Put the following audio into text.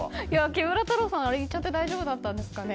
木村太郎さん、言っちゃって大丈夫だったんですかね？